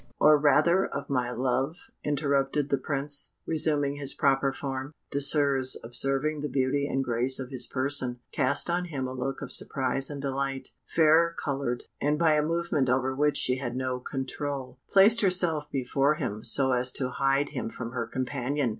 "Or rather of my love," interrupted the Prince, resuming his proper form. Désirs, observing the beauty and grace of his person, cast on him a look of surprise and delight. Fairer coloured, and by a movement over which she had no control, placed herself before him so as to hide him from her companion.